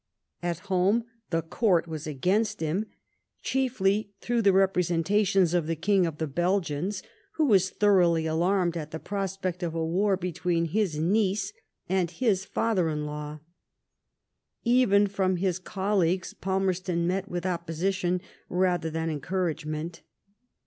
At home the Court was against him, chiefly through the representations of the King of the Belgians, who was thoroughly alarmed at the prospect of a war between his niece and his father in law. Even from his col leagues Palmerston met with opposition rather than encouragement.